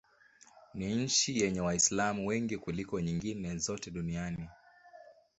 Ni nchi yenye Waislamu wengi kuliko nyingine zote duniani.